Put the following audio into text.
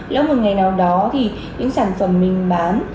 nếu một ngày nào đó thì những sản phẩm mình bán